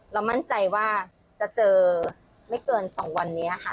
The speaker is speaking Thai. มั่นใจว่าจะเจอไม่เกิน๒วันนี้ค่ะ